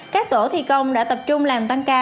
các tổ thi công đã tập trung làm tăng ca